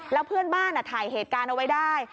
แล้วเพื่อนบ้านถ่ายเหตุการณ์เอาไว้ได้